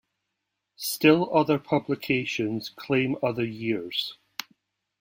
Still other publications claim other years.